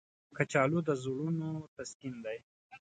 کچالو د زړونو تسکین دی